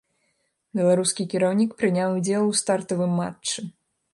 Беларускі кіраўнік прыняў удзел у стартавым матчы.